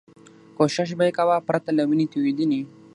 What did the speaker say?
کوښښ به یې کاوه پرته له وینې توېدنې.